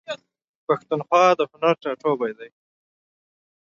پښتونخوا د هنر ټاټوبی دی.